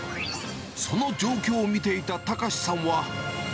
その状況を見ていた高師さんは。